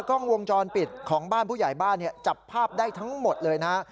กล้องวงจรปิดของบ้านผู้ใหญ่บ้านจับภาพได้ทั้งหมดเลยนะฮะ